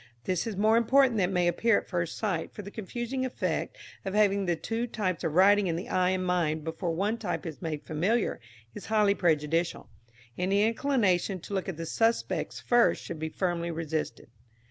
This is more important than may appear at first sight, for the confusing effect of having the two types of writing in the eye and mind before one type is made familiar is highly prejudicial. Any inclination to look at the Suspects first should be firmly resisted.